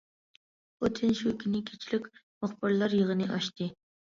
پۇتىن شۇ كۈنى كەچرەك مۇخبىرلار يىغىنى ئاچتى.